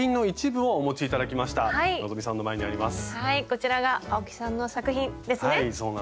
こちらが青木さんの作品ですね。